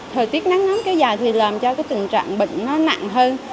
thời tiết nắng nóng kéo dài thì làm cho cái tình trạng bệnh nó nặng hơn